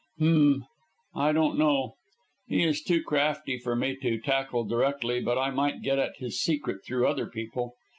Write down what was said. "H'm! I don't know. He is too crafty for me to tackle directly, but I might get at his secret through other people.